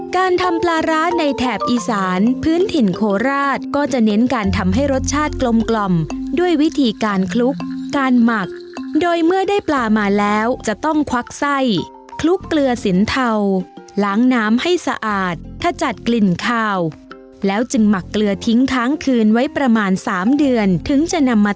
การทำปลาร้าในแถบอีสานพื้นถิ่นโคราชก็จะเน้นการทำให้รสชาติกลมกล่อมด้วยวิธีการคลุกการหมักโดยเมื่อได้ปลามาแล้วจะต้องควักไส้คลุกเกลือสินเทาล้างน้ำให้สะอาดขจัดกลิ่นคาวแล้วจึงหมักเกลือทิ้งทั้งคืนไว้ประมาณ๓เดือนถึงจะนำมา